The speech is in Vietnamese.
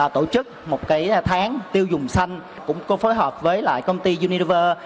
tổ chức một tháng tiêu dùng xanh cũng có phối hợp với lại công ty univer